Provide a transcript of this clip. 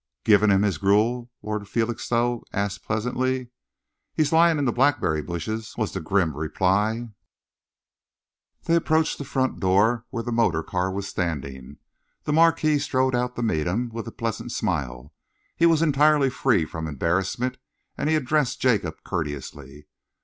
"Given him his gruel?" Lord Felixstowe asked pleasantly. "He's lying in the blackberry bushes," was the grim reply. They approached the front door, where the motor car was standing. The Marquis strolled out to meet them, with a pleasant smile. He was entirely free from embarrassment and he addressed Jacob courteously.